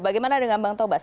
bagaimana dengan bang tobas